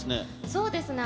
そうですね。